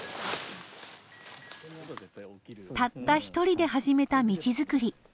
たった一人で始めた道作り。